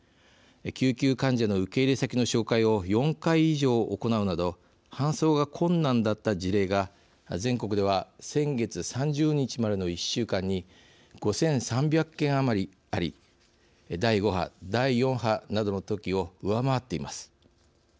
救急患者の受け入れ先の照会を４回以上行うなど搬送が困難だった事例が全国では、先月３０日までの１週間に５３００件余りあり第５波、第４波などのときを上回っています。